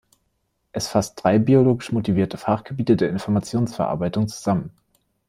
Es fasst drei biologisch motivierte Fachgebiete der Informationsverarbeitung zusammen.